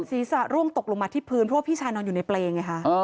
ศีรษะร่วงตกลงมาที่พื้นเพราะว่าพี่ชายนอนอยู่ในเปรย์ไงคะ